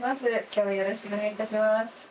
今日はよろしくお願い致します。